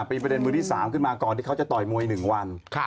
เป็นประเด็นมือที่๓ขึ้นมาก่อนที่เขาจะต่อยมวย๑วัน